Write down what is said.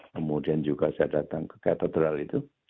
kemudian juga saya datang ke katedral itu